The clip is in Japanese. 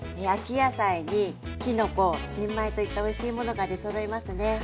野菜にきのこ新米といったおいしいものが出そろいますね。